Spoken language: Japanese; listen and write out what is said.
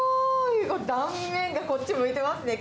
断面がこっち向いてますね。